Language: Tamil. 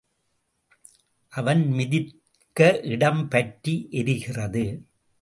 அவன் மிதித்க இடம் பற்றி எரிகிறது.